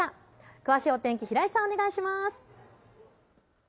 詳しいお天気、平井さん、お願いします。